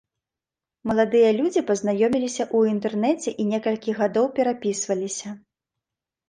Маладыя людзі пазнаёміліся ў інтэрнэце і некалькі гадоў перапісваліся.